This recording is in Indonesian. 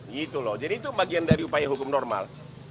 gitu loh jadi itu bagian dari upaya hukum normal